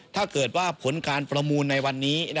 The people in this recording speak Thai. ถ้าเกิดว่าผลการประมูลในวันนี้